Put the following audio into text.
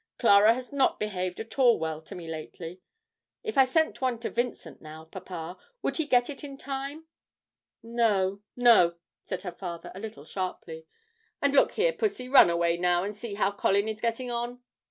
Clara has not behaved at all well to me lately. If I sent one to Vincent now, papa, would he get it in time?' 'No no,' said her father, a little sharply, 'and look here, Pussy, run away now and see how Colin is getting on.'